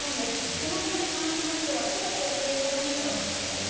この件に関しましては、すべて警察にお任せしております。